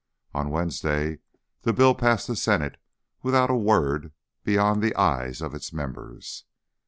On Wednesday the bill passed the Senate without a word beyond the "ayes" of its members.